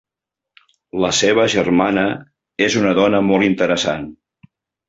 La seva germana és una dona molt interessant.